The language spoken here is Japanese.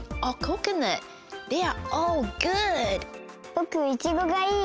ぼくいちごがいい！